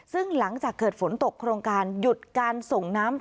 ซึ่งหลังจากเกิดฝนตกโครงการหยุดการส่งน้ำ